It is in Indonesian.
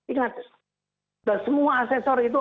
ingat dan semua asesor itu